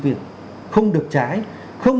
việt không được trái không